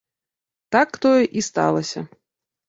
Так тое і сталася.